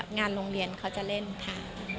งานโรงเรียนเขาจะเล่นค่ะ